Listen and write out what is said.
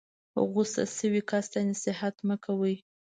غسه شوي کس ته نصیحت مه کوئ.